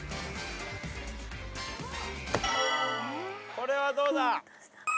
これはどうだ？